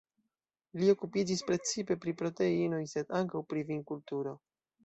Li okupiĝis precipe pri proteinoj, sed ankaŭ pri vinkulturo.